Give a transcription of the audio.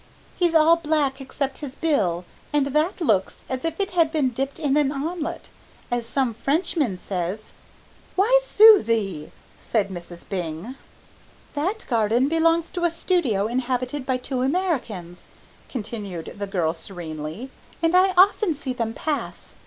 He's all black except his bill, and that looks as if it had been dipped in an omelet, as some Frenchman says " "Why, Susie!" said Mrs. Byng. "That garden belongs to a studio inhabited by two Americans," continued the girl serenely, "and I often see them pass.